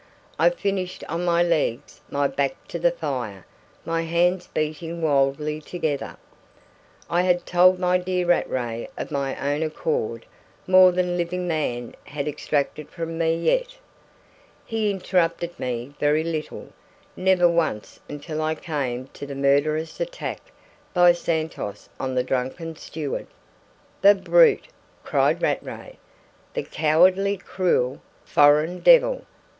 I finished on my legs, my back to the fire, my hands beating wildly together. I had told my dear Rattray of my own accord more than living man had extracted from me yet. He interrupted me very little; never once until I came to the murderous attack by Santos on the drunken steward. "The brute!" cried Rattray. "The cowardly, cruel, foreign devil!